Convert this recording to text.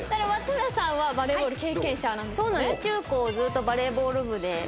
中高ずっとバレーボール部でやってました。